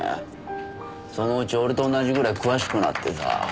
そのうち俺と同じぐらい詳しくなってさ。